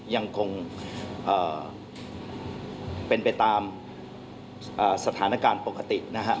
ยังคงเป็นไปตามสถานการณ์ปกตินะฮะ